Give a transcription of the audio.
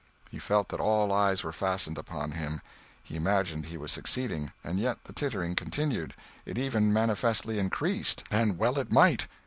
He felt that all eyes were fastened upon him; he imagined he was succeeding, and yet the tittering continued; it even manifestly increased. And well it might.